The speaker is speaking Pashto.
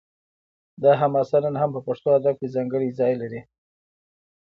دا حماسه نن هم په پښتو ادب کې ځانګړی ځای لري